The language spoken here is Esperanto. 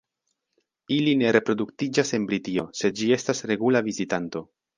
Ili ne reproduktiĝas en Britio, sed ĝi estas regula vizitanto.